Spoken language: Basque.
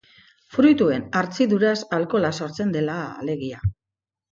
Fruituen hartziduraz alkohola sortzen dela, alegia.